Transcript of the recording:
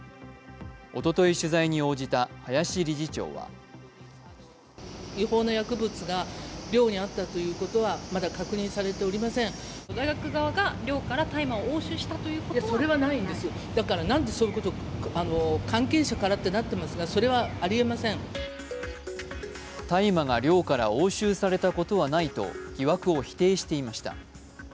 おととい取材に応じた林理事長は大麻が寮から押収されたことはないと疑惑を否定していました。